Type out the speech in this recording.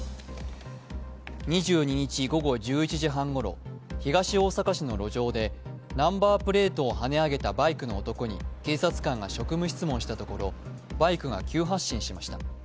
２２日午後１１時半ごろ、東大阪市の路上で、ナンバープレートをはね上げたバイクの男に警察官が職務質問したところバイクが急発進しました。